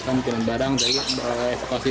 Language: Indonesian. kan kirim barang dari evakuasi